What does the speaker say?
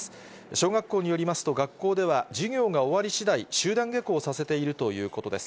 小学校によりますと、学校では授業が終わりしだい、集団下校させているということです。